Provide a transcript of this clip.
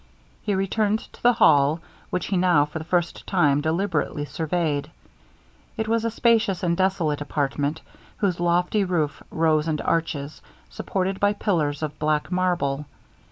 He returned to the hall, which he now for the first time deliberately surveyed. It was a spacious and desolate apartment, whose lofty roof rose into arches supported by pillars of black marble.